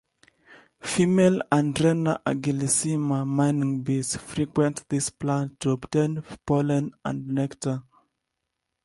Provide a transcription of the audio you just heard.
Female "Andrena agilissima", mining bees"," frequent this plant to obtain pollen and nectar.